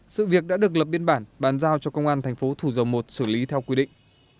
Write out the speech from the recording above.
sự việc đã được lập biên bản bàn giao cho công an thành phố thủ dầu một xử lý theo quy định